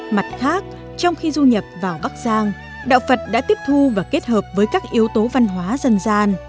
mặt khác trong khi du nhập vào bắc giang đạo phật đã tiếp thu và kết hợp với các yếu tố văn hóa dân gian